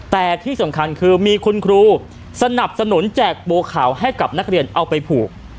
แต่ที่สำคัญคือมีคุณครูสนับสนุนแจกบัวขาวให้กับนักเรียนเอาไปผูก